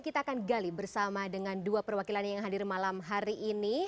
kita akan gali bersama dengan dua perwakilan yang hadir malam hari ini